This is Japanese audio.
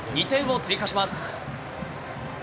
２点を追加します。